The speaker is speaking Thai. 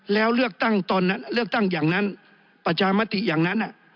แล้วเลือกตั้งตอนนั้นเลือกตั้งอย่างนั้นประชามติอย่างนั้น